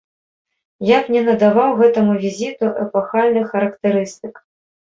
Я б не надаваў гэтаму візіту эпахальных характарыстык.